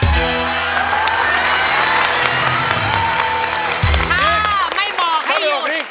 ถ้าไม่บอกให้หยุด